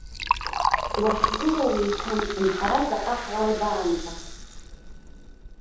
Уахьгылоу уеиҭамҵын, ҳара ҵаҟа ҳлалбаанӡа!